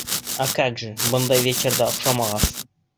— А как же, бындай вечер ҙә оҡшамағас.